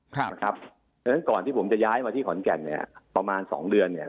เพราะฉะนั้นก่อนที่ผมจะย้ายมาที่ขอนแก่นเนี่ยประมาณ๒เดือนเนี่ย